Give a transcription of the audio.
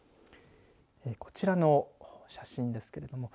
こちらの写真ですけれども。